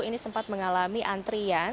ini sempat mengalami antrian